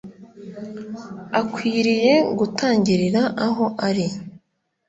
akwiriye gutangirira aho ari.